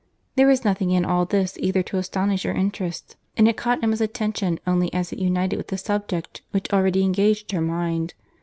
There was nothing in all this either to astonish or interest, and it caught Emma's attention only as it united with the subject which already engaged her mind.